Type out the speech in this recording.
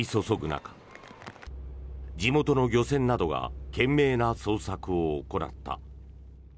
中地元の漁船などが懸命な捜索を行った。